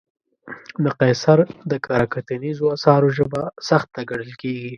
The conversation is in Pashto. د قیصر د کره کتنیزو اثارو ژبه سخته ګڼل کېږي.